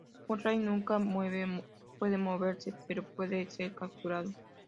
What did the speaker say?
Un Rey nunca puede moverse, pero puede ser capturado.